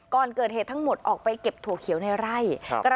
ก่อนเกิดเหตุทั้งหมดออกไปเก็บถั่วเขียวในไร่